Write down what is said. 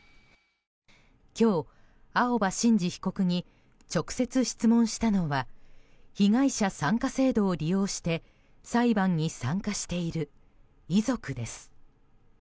今日、青葉真司被告に直接質問したのは被害者参加制度を利用して裁判に参加している遺族です。